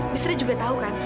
bistri juga tahu kan